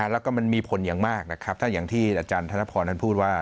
แล้วก็มันมีผลอย่างมากนะครับถ้าอย่างที่อาจารย์ธนพรนั้นพูดว่า